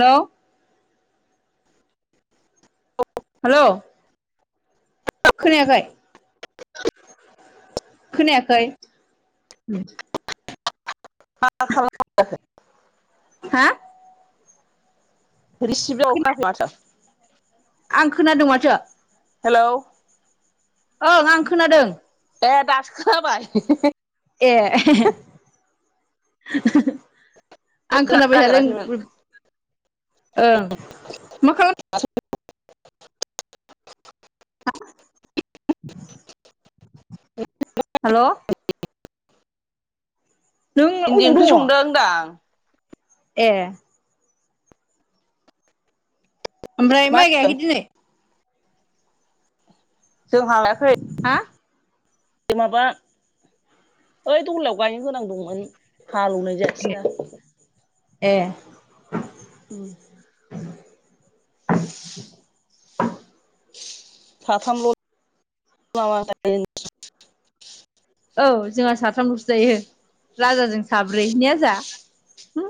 हेल' hello खोनायाखै खोनायाखै मा [unintelligible] हा [inaudible] आं खोनादों माथो। हेलौ ओं आं खोनादों। ए दासो खोनाबाय ए आं खोनाबाय थादों नागिराखैमोन ओं मा खालाम हेल' नों इन्दि अबाव ओंख्रि दङ संदों होनदां ए ओमफ्राय मा माइ होनदों गायाखै दिनै जोंहा लायाखै हा माबा ओइ दहलायाव गायनो गोनां दंमोन। हालौनाय जायसिनो ए उम [unintelligible] साथामल' [unintelligible] औ जोंहा साथामल'सो जायो राजाजों साब्रै ने आजा उ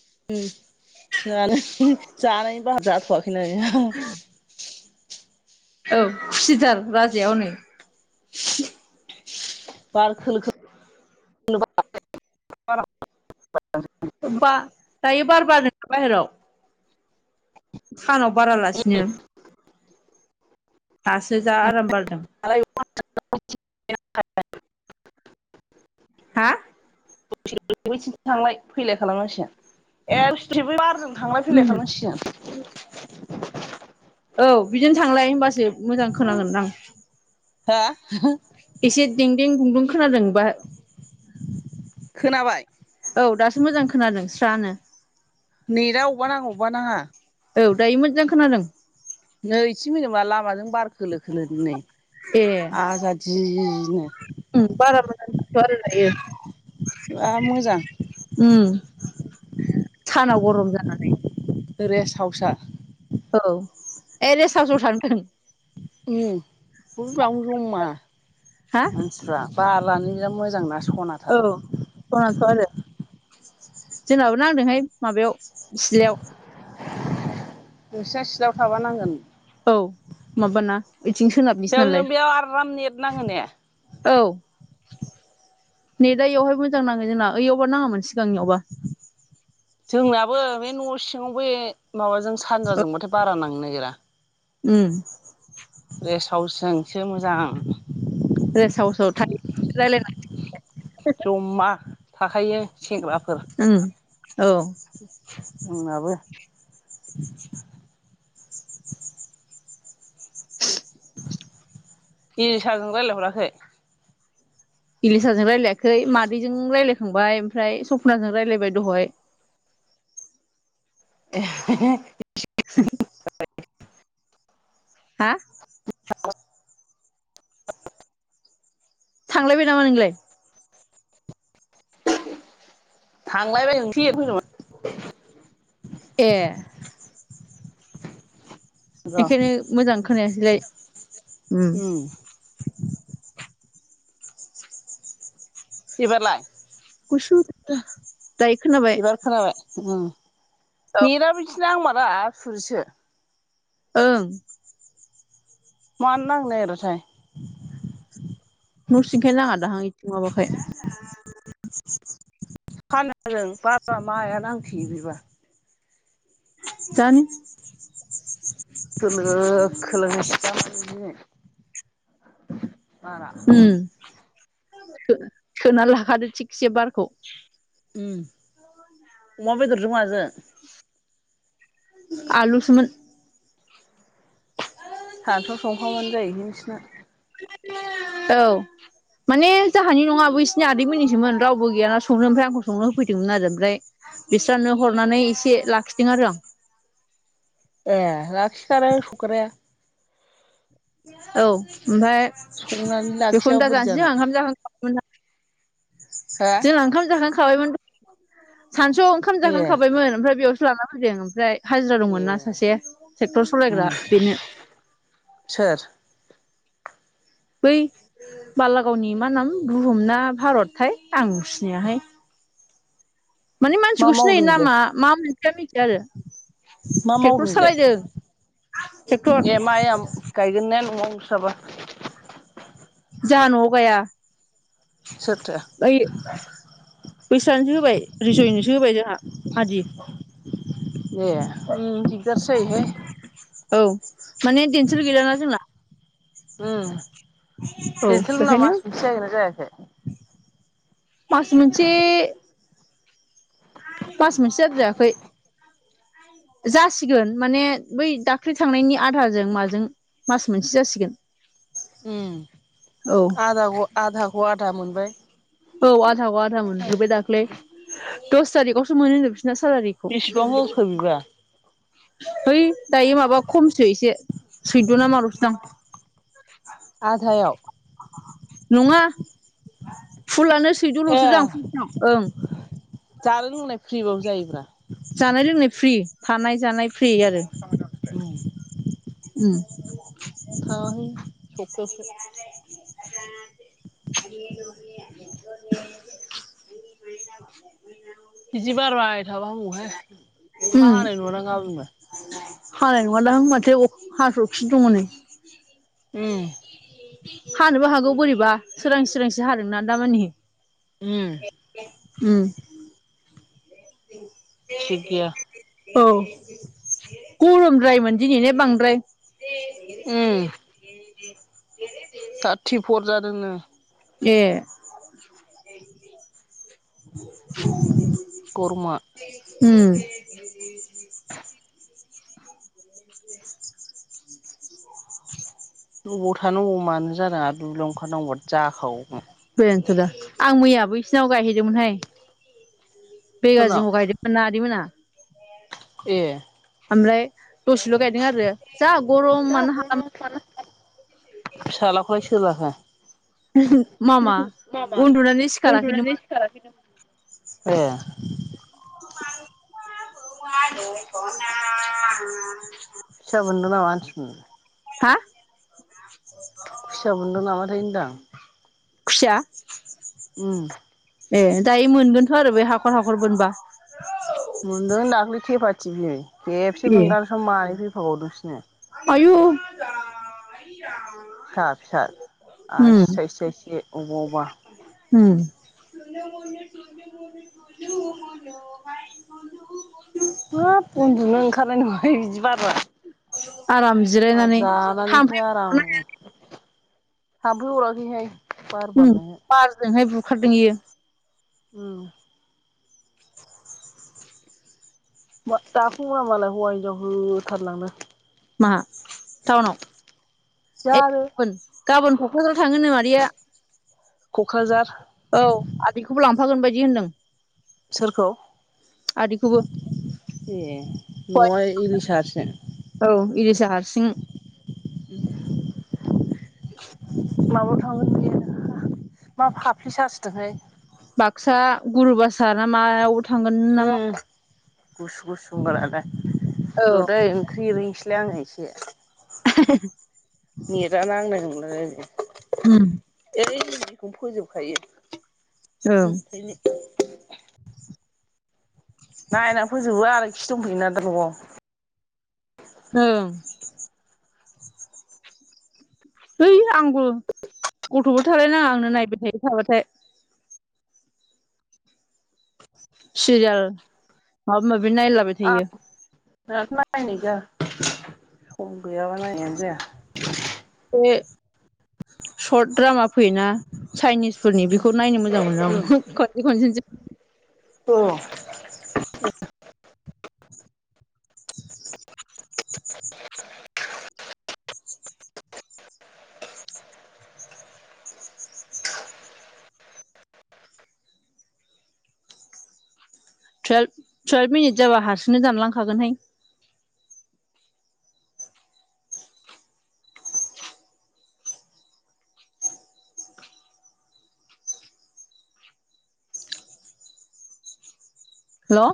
[unintelligible] दिनै औ खुसिथार राजाया हनै। बार खोलो [inaudible] होमबा दायो बार बारदो बाहेराव सानाव बारालासिनो दासो जा आरामबार [inaudible] हा थांलाय फैलाय खालामगासिगोन ए बिबो बारजों थांलाय फैलाय खालामसिगोन। औ बिदिनो थांलाय होनबासो मोजां खोनांगोन दां। हा एसे दें दें दुं दुं खोनाबाय औ दासो मोजां खोनादों स्रानो। नेटा वबावबा नाङो वबावबा नाङा औ दायो मोजां खोनादों। नै इसे मोजांबा लामाजों बार खोलो खोलो नै ए आजादिनो बारा मोजां नङाथ' आरो दायो मा मोजां उम सानाव गरम जानानै रेस्ट हाउसआ औ ए रेस हाउसाव थांथों [unintelligible] हा मानसिफ्रा [unintelligible] औ खनाथ' आरो। जोंनाबो नांदोंहाय माबायाव सिलायाव नोंस्रा सिलायाव थाबा नांगोन। औ माबाना बेथिं सोनाबनिसो बेयाव नालाय जों बेयाव आराम नेट नाङो ने औ नेदा एयावहाय मोजां नाङो जोंना ओयावबा नाङामोन सिगांनियावबा। जोंनियाबो बे न' सिङाव बे माबाजों सानजाजोंबाथाय बारा नांनो नागिरा ओ जोंसो मोजां रेस्ट [unintelligible] जमा थाखायो सेंग्रा फोर उम औ जोंनाबो इलिसाजों रायलायहराखै इलिसाजों रायलायाखै मादैजों रायज्लायखांबाय ओमफ्राय सपनाजों रायज्लायबाय दहाय [unintelligible] [inaudible] हा [inaudible] थांलायबाय नामा नोंलाय [inaudible] बुंथिगिरिनि जेबो खोनानो मोननाय जायाखै ए र' [inaudible] बुंथिगिफोरनि जेबो खोनानो उम मोननाय जायाखै सिबायलाय [inaudible] बुंथिगिरिफोरनि जेबो खोनानो मोननाय जायाखै हेबार खोनाबाय होम औ नेटा बिथिं नांमारा आसुरिदसो ओं मानो नांलाया ओरैसाय न'सिंखाय नाङा दाहां इथिं माबाखाय [inaudible] बुंथिगिरिफोरनि जेबो खोनानो मोननाय जायाखै दानि [inaudible] बुंथिगिरिफोरनि जेबो खोनानो मोननाय जायाखै [inaudible] बुंथिगिरिफोरनि जेबो खोनानो मोननाय जायाखै खोना लाखादो थिखसे बारखौ [inaudible] बुंथिगिरिफोरनि जेबो खोनानो मोननाय जायाखै [inaudible] बुंथिगिरिफोरनि जेबो खोनानो मोननाय जायाखै [inaudible] बुथिगिरिफोरनि जेबो खोनानो मोननाय जायाखै औ [inaudible] बुंथिगिरिफोरनि जेबो खोनानो मोननाय जायाखै [inaudible] बुंथिगिरिफोरनि जेबो खोनानो मोननाय जायाखै ए लाखिखार सुक्राया [unintelligible] [inaudible] बुंथिगिरिफोरनि जेबो संनानै लाखियाबा खोनानो बोरै जानो मोननाय जायाखै हो जोंना ओंखाम जाखांखाबायमोन सानसुआव ओंखाम ए जाखांखाबायमोन ओमफ्राय बेयावसो [inaudible] बुंथिगिरिनि जेबो खोनानो मोननाय जायाखै हाजिरा ए दंमोन नना सासे ट्रेक्टर उम सालायग्रा बेनो सोर [inaudible] बुंथिगिरिफोरनि जेबो खोनानो मोननाय जायाखै [inaudible] बुंथिगिरिफोरनि जेबो खोनानो मोननाय जायाखै [inaudible] मा बुंथिगिरिफोरनि मावदों जेबो बेलाय खोनानो मोननाय जायाखै [inaudible] बुंथिगिरिफोरनि जेबो खोनानो मोननाय ट्रेक्टर जायाखै [inaudible] बुंथिगिरिफोरनि जेबो खोनानो मोननाय जायाखै [inaudible] बुंथिगिरिनि जेबो खोनानो मोननाय जायाखै सोरथो [inaudible] बुंथिगिरिफोरनि जेबो खोनानो मोननाय जायाखै [inaudible] बुंथिगिरिनि जेबो खोनानो मोननाय जायाखै [inaudible] बुंथिगिरिफोरनि जेबो खोनानो मोननाय जायाखै ओम औ देनसल न बेखायनो मास बिसे जाहै जायाखै [inaudible] बुंथिगिरिफोरनि जेबो खोनानो मोननाय जायाखै [inaudible] बुंथिगिरिफोरनि जेबो खोनानो मोननाय जायाखै [inaudible] बुंथिगिरिनि जेबो खोनानो मोननाय जायाखै [inaudible] बुंथिगिरिफोरनि जेबो खोनानो मोननाय जायाखै ओम आधाखौ आधा मोनबाय [inaudible] बुंथिगिरिफोरनि जेबो खोनानो मोननाय जायाखै बेसेबां होखो बिबा? [unintelligible] हैय दायो माबा खमसो एसे सैद' नामा लसो दां आधायाव नंङा फुलानो सैदल'सो जां ए फसां ओं जानो लोंनाय फ्रिबाबो जायोब्रा [inaudible] बुंथिगिरिफोरनि जेबो खोनानो मोननाय जायाखै उओ [inaudible] बुंथिगिरिनि जेबो खोनानो मोननाय जायाखै [inaudible] बुंथिगिफोरनि जेबो खोनानो मोननाय जायाखै बिदि बारबाय थाबा मा हौहाय अखा हानाय नुवा बुंनो [inaudible] बुंथिगिरिफोरनि जेबो खोनानो मोननाय जायाखै ओम [inaudible] हानोबो हागौ बोरैबा सोरां सोरांसो हादों ना दामानि उम। थिक गैया [inaudible] बुंथिगिरिफोरनि जेबो खोनानो मोननाय जायाखै उम। थारथि फर जादोंनो ए [inaudible] गरमा। उम। [inaudible] बुंथिगिरिफोरनि जेबो खोनानो मोननाय जायाखै अबाव थानो अबाव मानो जादों आरो दुब्लियाव ओंखारनांगौबा जाखाबावगोन। दा आं मैयाबो इसोरनाव गायहैदोंमोनहाय सोरनाव बेगाजिाव गायदोंमोन नानिमोना ए ओमफ्राय दसेल' गायदों आरो जा गरमानो हा [inaudible] बुंथिगिरिनि जेबो मामा खोनानो उन्दुनानै मोननाय सिखाराखैनोमोन जायाखै ए [unintelligible] फिसा बोनदो माना मानसिनि, हा खुसिया बोनदों नामाथाय होनदों आं खुसिया, ए दायो मोनगोन थ' बे हाखर हाखर बोनबा, मोनदों दाख्लै थेफाथिफि खेबसे ए बोनगासेयावनो मानै फैफाबावदोंसोनो। आयु [unintelligible] फिसा फिसा आरो आसि उम थायसे थायसे अबावबा उम [unintelligible] हाब उन्दुनो ओंखारनाय नंङा बिदि [unintelligible] आराम बार जिरायनानै थांफै हाब्रु हराखैहाय, ओम बारजोंहाय बुखारदों इयो, उम दा फुंङाव मालाय हौवा हिनजाव होथारलांनो, मा टाउनाव ए जानो गाबोन गाबोन क'क्राझाराव थांङोनो मादैया, [inaudible] कक्राझार, औ आदैखौबो लांफागोन बायदि होनदों, सोरखौ आदैखौबो ए न'आ इलसासो, [inaudible] औ इरिसा हारसिं [unintelligible] मा फाफ्लि सासोदोंहाय, बाक्सा गुरुबाासार ना मायाव थांगोन नामा उम गुसु गुसु बार जादों। औ र'दै ओंख्रि ओरैनोसैलाय आङो एसे, [unintelligible] नेट आ नांनाय नुंलालाय उम। [unintelligible] फोजोबखायो ओंखायनो, नायना फोजोबो आरोखि दंफैयोना दा न'आव। ओं। है आंबो गथ'बो थालायनााङा आंनो नायबाय थायो थाबाथाय सिरियाल माबा माबि नायलाबाय थायो। दाथ' नायनाय जाया सम गैयाबा नायनायानो जाया। बे सर्ट द्रामा फैयोना चाइनिस। फोरनि बेखौ नायनो मोजां मोनो आं खनसे खनसेसो अ टुयेल्भ टुयेल्भ मिनिट जाबा हारसिंनो दानलांखागोनहाय। Hello.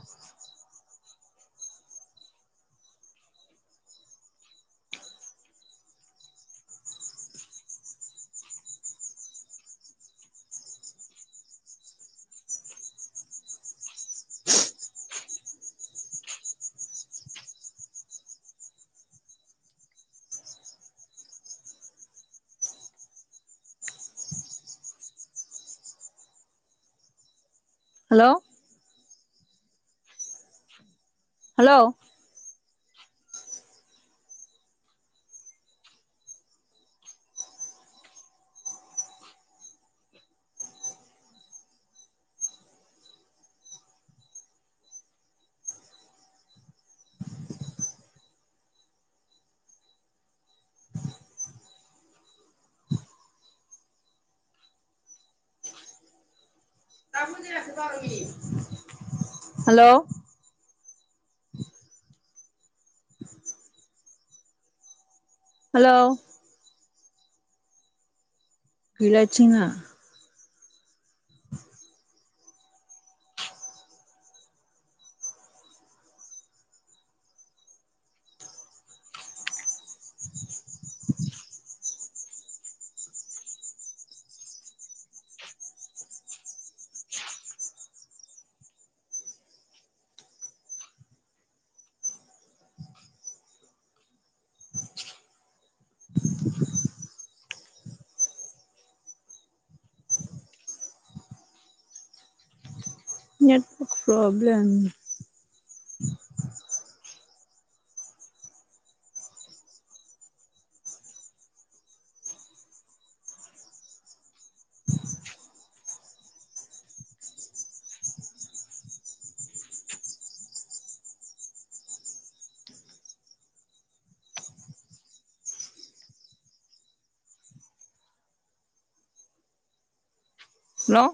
Hello hello. Hello hello गैला थिंआ। Net problem, hello